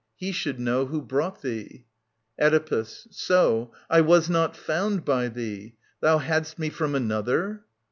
He should know Who brought thee. Oedipus. So : I was not found by thee. Thou hadst me irom another